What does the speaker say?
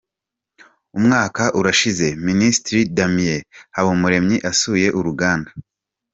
Umwaka urashize Minisitiri Damien Habumuremyi asuye uruganda.